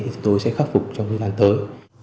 thì tôi sẽ khắc phục trong thời gian tới